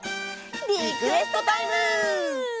リクエストタイム！